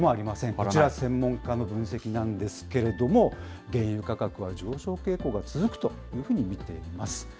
こちら、専門家の分析なんですけれども、原油価格は上昇傾向が続くというふうに見ています。